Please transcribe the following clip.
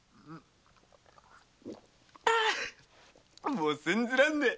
もう信じられねぇ。